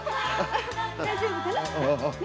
大丈夫かい？